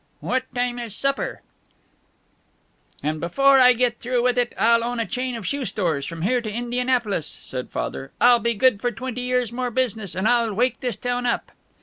"What time is supper?" "... and before I get through with it I'll own a chain of shoe stores from here to Indianapolis," said Father. "I'll be good for twenty years' more business, and I'll wake this town up."